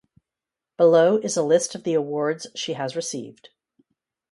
Below is a list of the awards she has received.